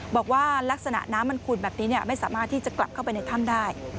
บอกว่าลักษณะน้ำมันขุ่นแบบนี้ไม่สามารถที่จะกลับเข้าไปในถ้ำได้